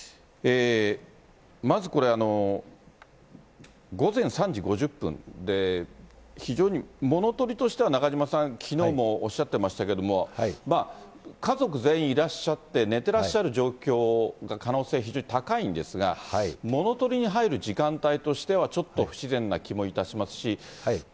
まずこれ、午前３時５０分で、非常に物取りとしては中島さん、きのうもおっしゃってましたけれども、家族全員いらっしゃって、寝てらっしゃる状況が可能性、非常に高いんですが、物取りに入る時間帯としては、ちょっと不自然な気もいたしますし。